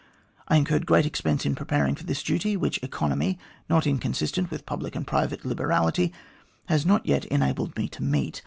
I incurred great expense in preparing for this duty, which economy, not inconsistent with public and private liberality, has yet not enabled me to meet.